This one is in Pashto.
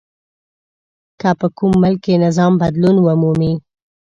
که په کوم ملک کې نظام بدلون ومومي.